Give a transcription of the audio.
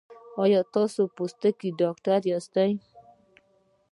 ایا تاسو د پوستکي ډاکټر یاست؟